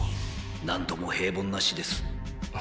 何とも平凡な死です。